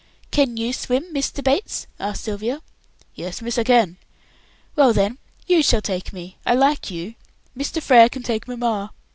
"Can you swim, Mr. Bates?" asked Sylvia. "Yes, miss, I can." "Well, then, you shall take me; I like you. Mr. Frere can take mamma.